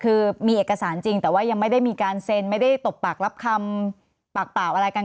คือมีเอกสารจริงแต่ว่ายังไม่ได้มีการเซ็นไม่ได้ตบปากรับคำปากเปล่าอะไรกัน